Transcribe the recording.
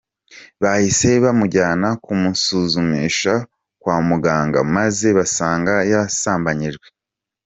Bahise bamujyana kumusuzumisha kwa muganga maze basanga yasambanyijwe.